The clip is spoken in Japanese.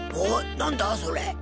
なんだそれ？